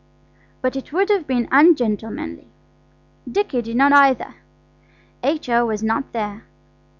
But it would have been ungentlemanly. Dicky did not either. H.O. was not there.